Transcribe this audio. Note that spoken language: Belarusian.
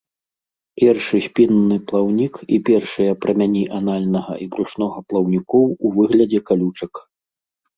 Першы спінны плаўнік і першыя прамяні анальнага і брушнога плаўнікоў у выглядзе калючак.